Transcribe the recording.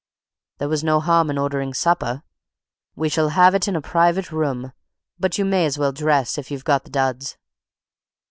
"There was no harm in ordering supper. We shall have it in a private room, but you may as well dress if you've got the duds."